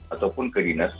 ataupun ke dinas